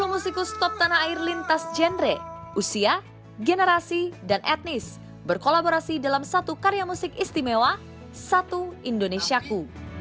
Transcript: dua puluh musikus top tanah air lintas genre usia generasi dan etnis berkolaborasi dalam satu karya musik istimewa satu indonesiaku